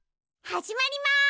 はじまります！